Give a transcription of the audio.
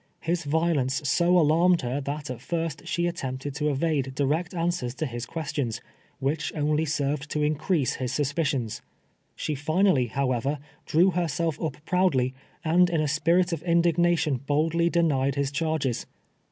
His violence so alarmed her that at first she attempted to evade direct answers to his questions, which only served to increase his suspicions. She linally, however, drew herself up proudly, and in a spirit of indignation boldly denied his charges.